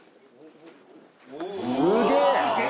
すげえ！